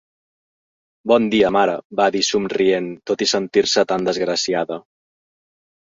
"Bon dia, mare" va dir somrient, tot i sentir-se tan desgraciada.